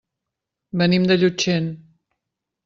Venim de Llutxent.